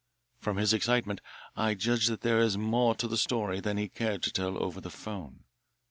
From his excitement I judge that there is more to the story than he cared to tell over the 'phone.